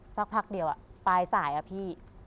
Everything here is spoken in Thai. สักพักเดียวปลายสายอะพี่